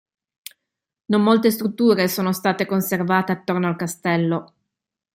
Non molte strutture sono state conservate attorno al castello.